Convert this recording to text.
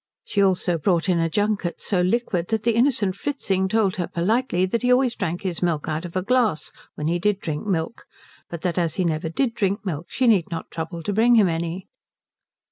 She also brought in a junket so liquid that the innocent Fritzing told her politely that he always drank his milk out of a glass when he did drink milk, but that, as he never did drink milk, she need not trouble to bring him any.